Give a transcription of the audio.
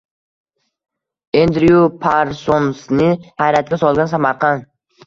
Endryu Parsonsni hayratga solgan Samarqand